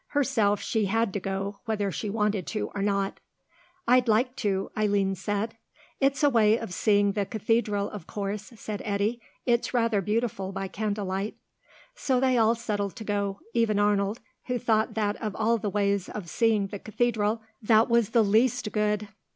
Herself she had to go, whether she wanted to or not. "I'd like to," Eileen said. "It's a way of seeing the Cathedral, of course," said Eddy. "It's rather beautiful by candlelight." So they all settled to go, even Arnold, who thought that of all the ways of seeing the Cathedral, that was the least good.